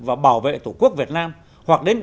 và bảo vệ tổ quốc việt nam hoặc đến